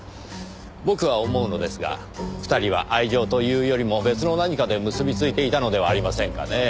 僕は思うのですが２人は愛情というよりも別の何かで結びついていたのではありませんかねぇ？